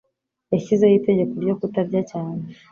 Yashyizeho itegeko ryo kutarya cyane.